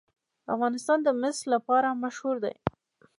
افغانستان د مس لپاره مشهور دی.